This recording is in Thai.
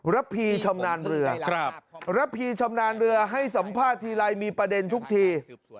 ระพีชำนาญเรือระพีชำนาญเรือให้สัมภาษณ์ทีไรมีประเด็นทุกที